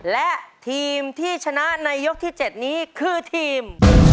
และทีมที่ชนะในยกที่๗นี้คือทีม